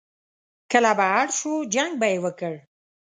کله به اړ شو، جنګ به یې وکړ.